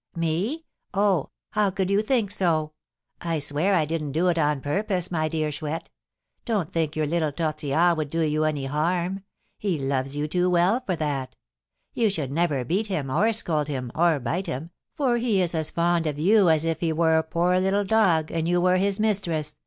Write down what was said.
"Me? Oh! How could you think so? I swear I didn't do it on purpose, my dear Chouette! Don't think your little Tortillard would do you any harm; he loves you too well for that. You should never beat him, or scold him, or bite him, for he is as fond of you as if he were a poor little dog, and you were his mistress!"